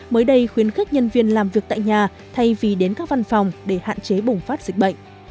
mới đây khuyến khích nhân viên làm việc tại nhà thay vì đến các văn phòng để hạn chế bùng phát dịch bệnh